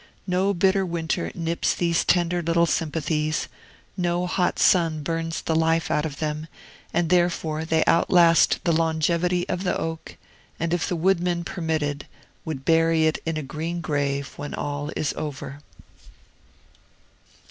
No bitter winter nips these tender little sympathies, no hot sun burns the life out of them; and therefore they outlast the longevity of the oak, and, if the woodman permitted, would bury it in a green grave, when all is over.